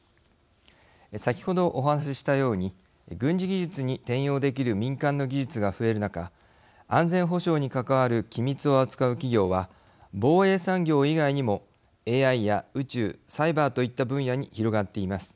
先ほど、お話ししたように軍事技術に転用できる民間の技術が増える中安全保障に関わる機密を扱う企業は防衛産業以外にもＡＩや宇宙、サイバーといった分野に広がっています。